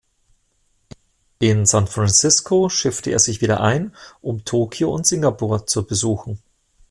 In San Francisco schiffte er sich wieder ein, um Tokio und Singapur zu besuchen.